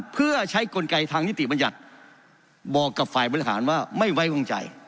เพื่อใช้กลไกทางนิติบัญญัติบอกกับฝ่ายบริหารว่าไม่ไว้วางใจ